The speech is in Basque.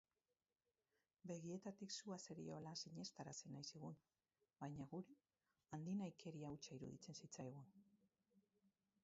Begietatik sua zeriola sinestarazi nahi zigun baina guri handinahikeria hutsa iruditzen zitzaigun.